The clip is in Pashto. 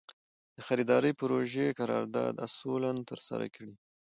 د خریدارۍ پروژې قرارداد اصولاً ترسره کړي.